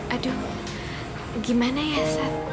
aduh gimana ya sat